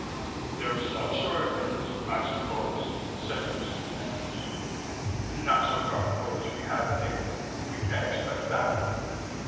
'There's some sort of inns, I suppose,' says Mr. Danvers, 'not so comfortable as we have in England: we can't expect that.'